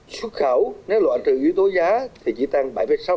xuất khẩu nếu loạn trừ ưu tố giá thì chỉ tăng bảy sáu bảy